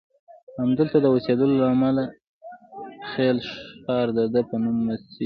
همدلته د اوسیدو له امله الخلیل ښار دده په نوم مسمی شو.